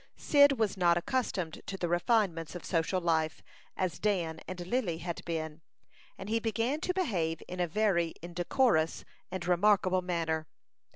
Cyd was not accustomed to the refinements of social life, as Dan and Lily had been, and he began to behave in a very indecorous and remarkable manner.